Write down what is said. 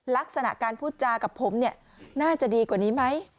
ลักษณะการพูดจากับผมเนี่ยน่าจะดีกว่านี้ไหม